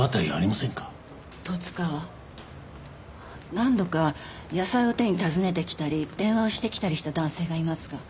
何度か野菜を手に訪ねてきたり電話をしてきたりした男性がいますが。